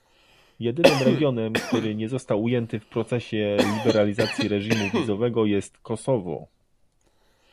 Jedynym regionem, który nie został ujęty w procesie liberalizacji reżimu wizowego jest Kosowo